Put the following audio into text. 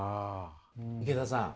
池田さん